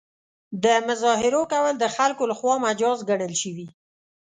د مظاهرو کول د خلکو له خوا مجاز ګڼل شوي.